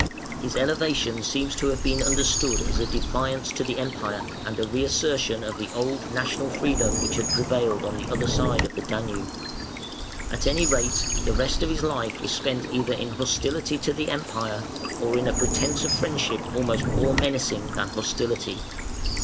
His elevation seems to have been understood as a defiance to the Empire and a re assertion of the old national freedom which had prevailed on the other side of the Danube. At any rate the rest of his life was spent either in hostility to the Empire or in a pretence of friendship almost more menacing than hostility.